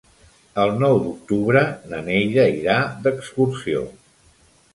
El nou d'octubre na Neida irà d'excursió.